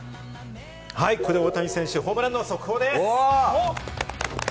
ここで大谷選手のホームランの速報です。